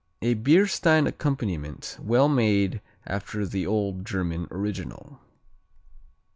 A beer stein accompaniment well made after the old German original.